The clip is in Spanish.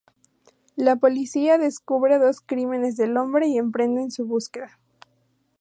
La policía descubre los dos crímenes del hombre y emprenden su búsqueda.